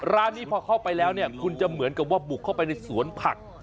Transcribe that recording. ร้านนี้พอเข้าไปแล้วเนี่ยคุณจะเหมือนกับว่าบุกเข้าไปในสวนผัก